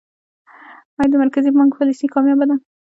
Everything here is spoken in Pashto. آیا د مرکزي بانک پالیسي کامیابه ده؟